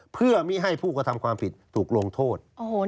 เพื่อไม่ให้ผู้กระทำความผิดถูกลงโทษ